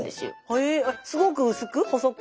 へえすごく薄く細く？